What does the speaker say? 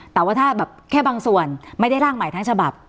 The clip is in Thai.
แต่ว่าถ้าแบบแค่บางส่วนไม่ได้ร่างใหม่ทั้งฉบับ